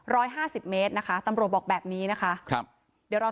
ร้อยห้าสิบเมตรนะคะตำรวจบอกแบบนี้นะคะครับเดี๋ยวรอ